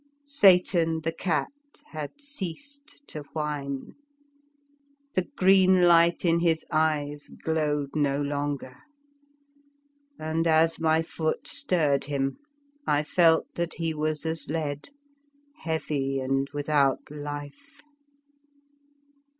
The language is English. Satan, the cat, had ceased to whine, 60 The Fearsome Island the green light in his eyes glowed no longer, and, as my foot stirred him, I felt that he was as lead, heavy and without life.